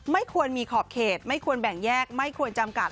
ไม่ควรมีขอบเขตไม่ควรแบ่งแยกไม่ควรจำกัด